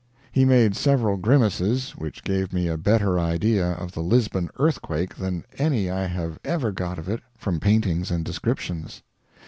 He made several grimaces which gave me a better idea of the Lisbon earthquake than any I have ever got of it from paintings and descriptions.